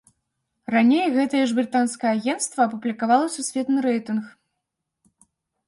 Раней гэтае ж брытанскае агенцтва апублікавала сусветны рэйтынг.